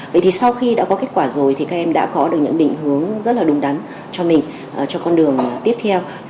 vậy thì sau khi đã có kết quả rồi thì các em đã có được những định hướng rất là đúng đắn cho mình cho con đường tiếp theo